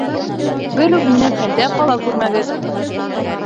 Берүк минең хәлдә ҡала күрмәгеҙ.